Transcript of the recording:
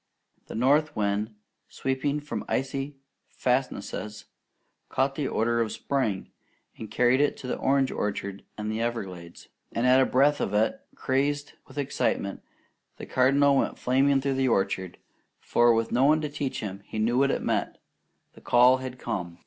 The north wind, sweeping from icy fastnesses, caught this odour of spring, and carried it to the orange orchards and Everglades; and at a breath of it, crazed with excitement, the Cardinal went flaming through the orchard, for with no one to teach him, he knew what it meant. The call had come.